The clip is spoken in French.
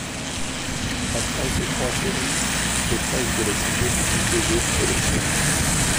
Après ces trois séries, Les Presses de la Cité publient deux autres collections.